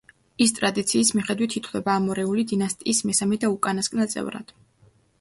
ის ტრადიციის მიხედვით ითვლება ამორეული დინასტიის მესამე და უკანასკნელ წევრად.